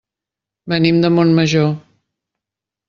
Venim de Montmajor.